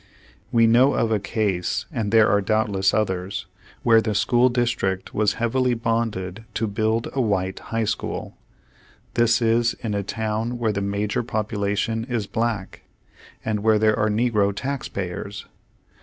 We know of a case, and there are doubtless others. Where the school district was heavily bonded to build a white high school. This is in a town where the major population is black, and where there are negro tax payers.